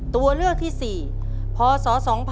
ตัวเลือกที่๔พศ๒๕๖